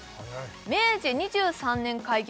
明治２３年開業